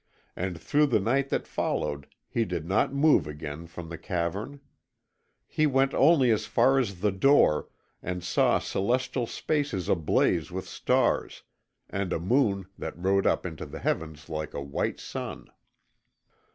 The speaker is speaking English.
And through the night that followed he did not move again from the cavern. He went only as far as the door and saw celestial spaces ablaze with stars and a moon that rode up into the heavens like a white sun.